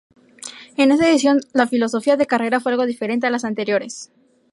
En esta edición la filosofía de carrera fue algo diferente a las anteriores.